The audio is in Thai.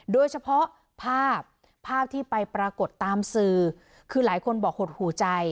โดยเฉพาะภาพภาพที่ไปปรากฏตามสื่อคือหลายคนบอกหดหูใจ